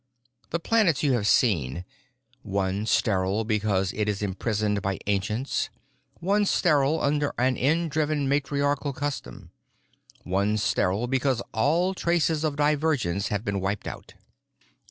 "The planets you have seen. One sterile because it is imprisoned by ancients, one sterile under an in driven matriarchal custom, one sterile because all traces of divergence have been wiped out.